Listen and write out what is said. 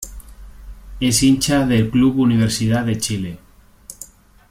Es hincha del Club Universidad de Chile.